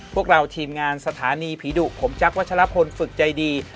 พวกเราทีมงานสถานีผีดุผมแจ๊ควัชลพลฝึกใจดี